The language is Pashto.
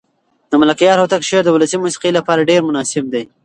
د ملکیار هوتک شعر د ولسي موسیقۍ لپاره ډېر مناسب دی.